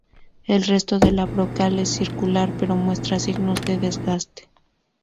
El resto de la brocal es circular pero muestra signos de desgaste.